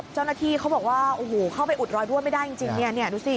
เจ้าหน้าที่เขาบอกว่าโอ้โหเข้าไปอุดรอยรั่วไม่ได้จริงเนี่ยดูสิ